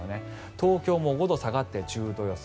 東京も５度下がって１０度予想。